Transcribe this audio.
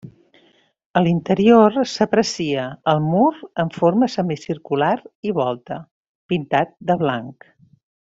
A l'interior s'aprecia el mur en forma semicircular i volta, pintat de blanc.